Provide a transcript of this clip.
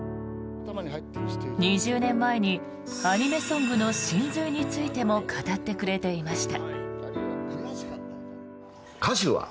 ２０年前にアニメソングの神髄についても語ってくれていました。